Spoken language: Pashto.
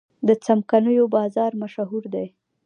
د څمکنیو بازار مشهور دی